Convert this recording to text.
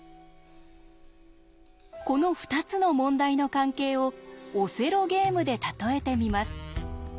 この２つの問題の関係をオセロゲームで例えてみます。